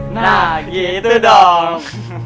nah gitu dong